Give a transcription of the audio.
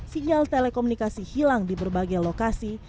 sinyal telekomunikasi hilang di berbagai lokasi